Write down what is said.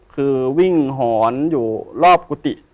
คือวิ่งหอนอยู่รอบกุฏิ